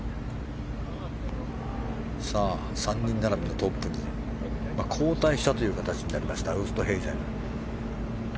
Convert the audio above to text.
３人並びのトップに後退したという形になりましたウーストヘイゼン。